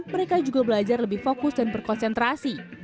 mereka juga belajar lebih fokus dan berkonsentrasi